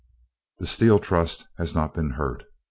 The Steel Trust has not been hurt.